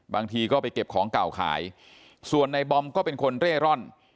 บางทีก็ไปเก็บของเก่าขายส่วนในบอมก็เป็นคนเร่ร่อน